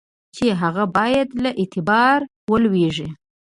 چي هغه باید له اعتباره ولوېږي.